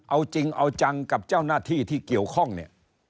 เอาจริงเอาจังกับเจ้าหน้าที่ที่เกี่ยวข้องเนี่ย